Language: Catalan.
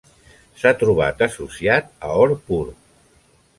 S'ha trobat associat a or pur.